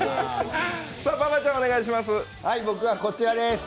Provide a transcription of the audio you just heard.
僕はこちらです。